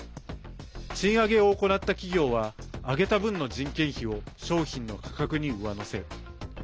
賃上げを行った企業は上げた分の人件費を商品の価格に上乗せ。